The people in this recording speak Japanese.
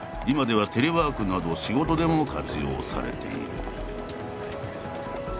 今ではテレワークなど仕事でも活用されている。